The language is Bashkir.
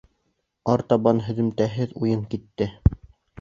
Артабан һөҙөмтәһеҙ уйын китте.